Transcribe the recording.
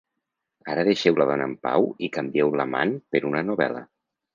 Ara deixeu la dona en pau i canvieu l'amant per una novel·la.